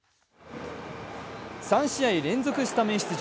３試合連続スタメン出場。